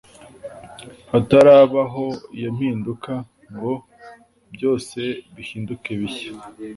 Hatarabaho iyo mpinduka, ngo byose bihinduke bishya,